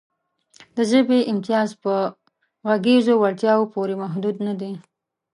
د ژبې امتیاز په غږیزو وړتیاوو پورې محدود نهدی.